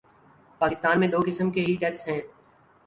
پاکستان میں دو قسم کے ہی ٹیکس ہیں۔